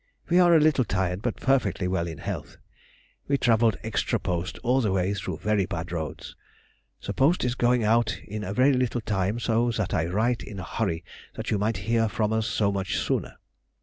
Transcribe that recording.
We are a little tired, but perfectly well in health. We travelled extra post all the way through very bad roads. The post is going out in a very little time, so that I write in a hurry that you might hear from us so much sooner.